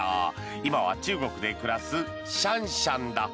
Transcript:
今は中国で暮らすシャンシャンだ。